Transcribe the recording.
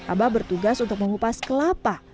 abah bertugas untuk mengupas kelapa